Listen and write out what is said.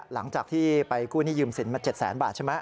หลังจากที่ไปกู้หนี้ยืมสินมา๗แสนบาทใช่ไหม